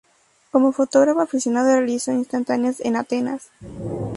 Como fotógrafo aficionado realizó instantáneas en Atenas.